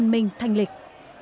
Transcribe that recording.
minh thanh lịch